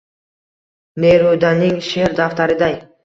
Nerudaning she’r daftariday